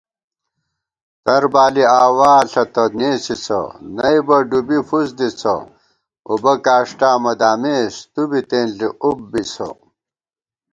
تر بالی آوا ݪہ تہ نېسِسہ نئیبہ ڈُوبی فُس دِسہ * اُبہ کاݭٹا مہ دامېس تُوبی تېنݪی اُب بِسہ